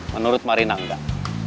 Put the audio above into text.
menurut marina enggak